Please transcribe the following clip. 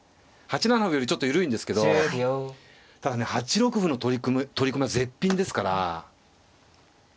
８七歩よりちょっと緩いんですけどただね８六歩の取り込みは絶品ですから。